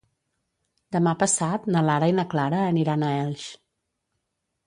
Demà passat na Lara i na Clara aniran a Elx.